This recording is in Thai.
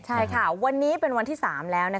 ใช่ค่ะวันนี้เป็นวันที่๓แล้ว